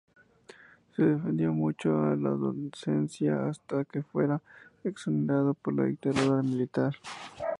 Se dedicó mucho a la docencia, hasta que fuera exonerado por la dictadura militar.